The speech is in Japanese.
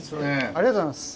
ありがとうございます。